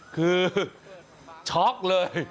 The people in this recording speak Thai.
คือช็อกเลย